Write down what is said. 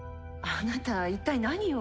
あなた一体何を。